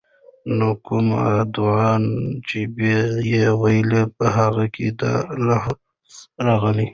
نو کومه دعاء چې به ئي ويله، په هغې کي دا الفاظ راغلي: